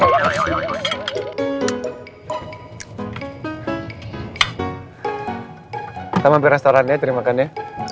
kita mampir restoran ya cari makan ya